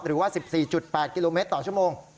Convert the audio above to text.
หรือว่า๑๔๘กิโลเมตรต่อชั่วโมง